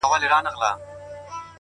o په هغه ورځ به بس زما اختر وي ـ